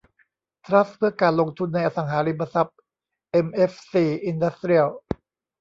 ทรัสต์เพื่อการลงทุนในอสังหาริมทรัพย์เอ็มเอฟซีอินดัสเตรียล